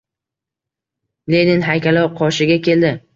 Lenin haykali qoshiga keldi.